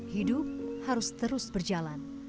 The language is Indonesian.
hidup harus terus berjalan